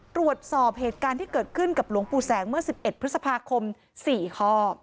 ตรวจสอบเหตุการณ์ที่เกิดขึ้นกับหลวงปู่แสงเมื่อ๑๑พฤษภาคม๔ข้อ